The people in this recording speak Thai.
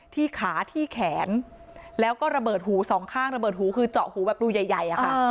ที่ขาที่แขนแล้วก็ระเบิดหูสองข้างระเบิดหูคือเจาะหูแบบรูใหญ่อะค่ะ